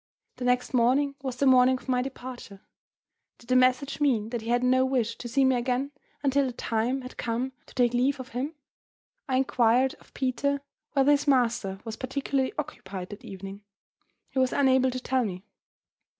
The next morning was the morning of my departure. Did the message mean that he had no wish to see me again until the time had come to take leave of him? I inquired of Peter whether his master was particularly occupied that evening. He was unable to tell me.